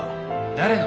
誰の？